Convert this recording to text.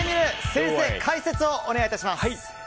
先生、解説をお願いします。